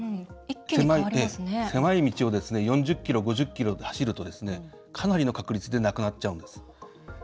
狭い道を４０キロ、５０キロで走るとかなりの確率で亡くなっちゃうんです。